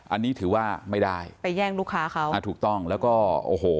อันนี้ถือว่าไม่ได้ไปแย่งลูกค้าเขาอ่าถูกต้องแล้วก็โอ้โห